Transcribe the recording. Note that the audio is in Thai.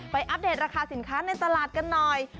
อัปเดตราคาสินค้าในตลาดกันหน่อย